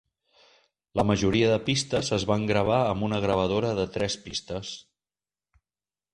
La majoria de pistes es van gravar amb una gravadora de tres pistes.